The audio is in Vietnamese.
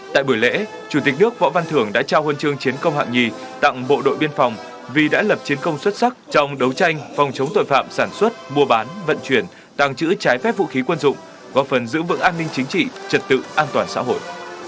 tại buổi lễ chủ tịch nước võ văn thưởng đã trao huân chương chiến công hạng nhì tặng bộ đội biên phòng vì đã lập chiến công xuất sắc trong đấu tranh phòng chống tội phạm sản xuất mua bán vận chuyển tàng trữ trái phép vũ khí quân dụng góp phần giữ vững an ninh chính trị trật tự an toàn xã hội